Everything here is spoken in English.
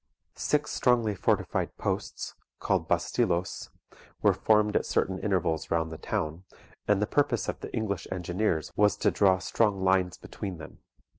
Six strongly fortified posts, called bastillos, were formed at certain intervals round the town and the purpose of the English engineers was to draw strong lines between them.